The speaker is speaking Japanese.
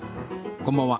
こんばんは。